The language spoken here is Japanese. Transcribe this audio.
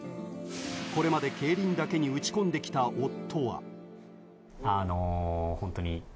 これまで競輪だけに打ち込んできた夫は。